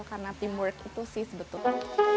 karena teamwork itu sih sebetulnya